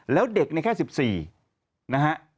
แล้วเด็กในแค่๑๔นะฮะ